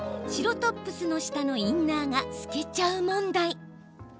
白トップスの下のインナーが透けちゃう問題。